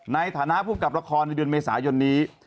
ในฐานะภูมิกับละครในเดือนเมษายนนี้